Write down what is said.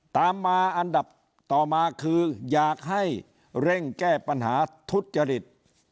ตามมาอันดับต่อมาคืออยากให้เร่งแก้ปัญหาทุจริต